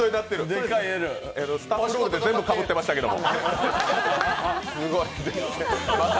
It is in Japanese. スタッフロールで全部かぶってましたけど。